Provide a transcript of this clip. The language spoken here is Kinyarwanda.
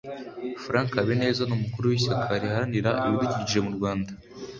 Frank Habineza ni umukuru w’ishyaka riharanira ibidukikije mu Rwanda